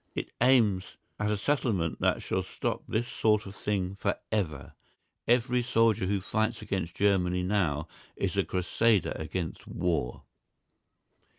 It aims at a settlement that shall stop this sort of thing for ever. Every soldier who fights against Germany now is a crusader against war.